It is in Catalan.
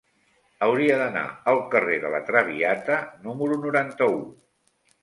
Hauria d'anar al carrer de La Traviata número noranta-u.